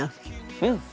うん！